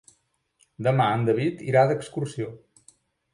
Demà en David irà d'excursió.